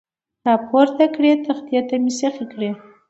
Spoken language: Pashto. را پورته کړې، تختې ته مې سیخې کړې.